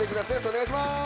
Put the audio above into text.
お願いします！